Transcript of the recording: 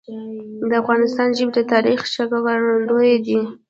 د افغانستان ژبي د تاریخ ښکارندوی دي.